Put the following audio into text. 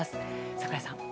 櫻井さん。